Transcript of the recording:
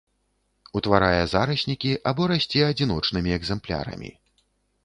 Утварае зараснікі або расце адзіночнымі экземплярамі.